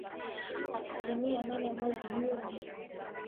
Asilimia nane mwezi Juni.